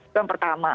itu yang pertama